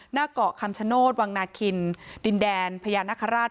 หน้าเกาะคำชโนธวังนาคินดินแดนพญานาคาราช